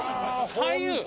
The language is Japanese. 左右。